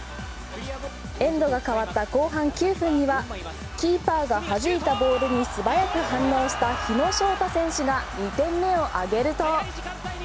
エンドが変わった後半９分にはキーパーが弾いたボールに素早く反応した日野翔太選手が２点目を挙げると。